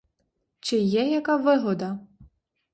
Чи є яка вигода?